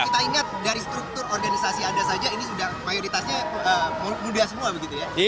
kita ingat dari struktur organisasi anda saja ini sudah mayoritasnya muda semua begitu ya